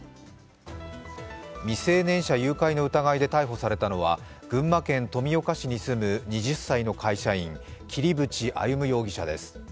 未成年者誘拐の疑いで逮捕されたのは、群馬県富岡市に住む２０歳の会社員、桐淵歩夢容疑者です。